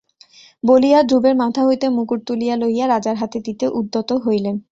বলিয়া ধ্রুবের মাথা হইতে মুকুট তুলিয়া লইয়া রাজার হাতে দিতে উদ্যত হইলেন।